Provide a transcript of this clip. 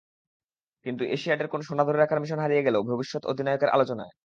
কিন্তু এশিয়াডের সোনা ধরে রাখার মিশন হারিয়ে গেল ভবিষ্যৎ অধিনায়কের আলোচনায়।